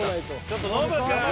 ちょっとノブくん。